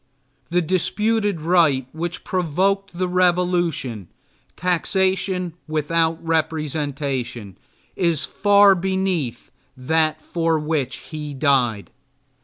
The disputed right which provoked the revolution taxation without representation is far beneath that for which he died.